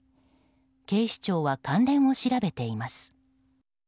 警視庁は関連を調べています。